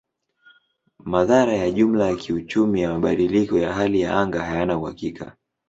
Madhara ya jumla ya kiuchumi ya mabadiliko ya hali ya anga hayana uhakika.